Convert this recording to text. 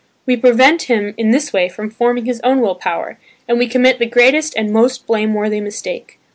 We prevent him in this way from forming his own will power, and we commit the greatest and most blameworthy mistake.